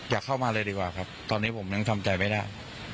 อยากเข้ามาเลยดีกว่าครับตอนนี้ผมยังทำใจไม่ได้